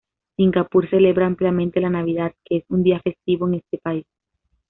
Singapur celebra ampliamente la Navidad, que es un día festivo en este país.